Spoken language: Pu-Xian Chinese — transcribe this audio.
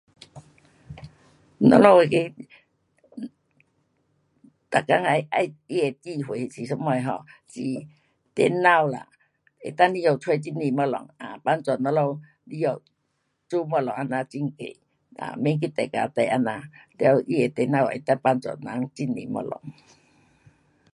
我们那个每天要，要它的机会是什么，um 是电脑啦，能够拿出很多东西，帮助里下我们做东西很易，免去等啊等这样，了，它的电脑能够帮助很多东西。